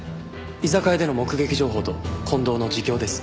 居酒屋での目撃情報と近藤の自供です。